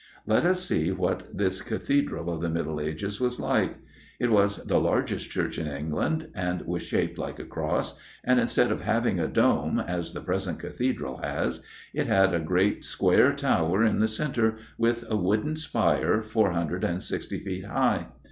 Let us see what this Cathedral of the Middle Ages was like. It was the largest church in England, and was shaped like a cross, and, instead of having a dome, as the present Cathedral has, it had a great square tower in the centre, with a wooden spire, four hundred and sixty feet high.